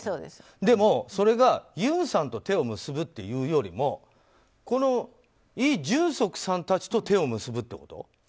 でも、それがユンさんと手を結ぶっていうよりもこのイ・ジュンソクさんたちと手を結ぶってこと？